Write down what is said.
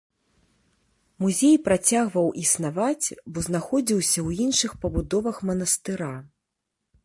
Музей працягваў існаваць, бо знаходзіўся ў іншых пабудовах манастыра.